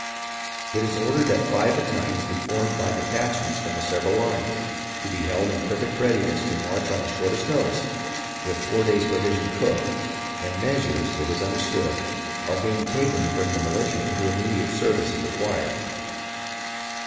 It is ordered that five battalions be formed by detachments from the several lines, to be held in perfect readiness to march on the shortest notice, with four days' provision cooked ; and measures, it is understood, are being taken to bring the militia into immediate service if required.